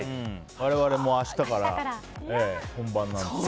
我々も明日から本番なんです。